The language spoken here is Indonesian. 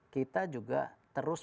kita juga terus